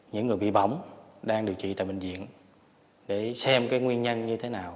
những người bị bỏng đang điều trị tại bệnh viện để xem cái nguyên nhân như thế nào